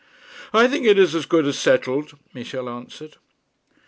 'I think it is as good as settled,' Michel answered.